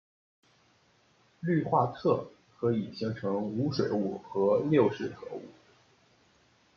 氯化铽可以形成无水物和六水合物。